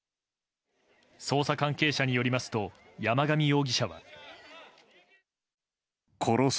捜査関係者によりますと山上容疑者は。